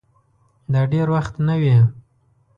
دا دېر وخت نه وې